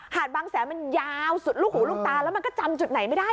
บางแสนมันยาวสุดลูกหูลูกตาแล้วมันก็จำจุดไหนไม่ได้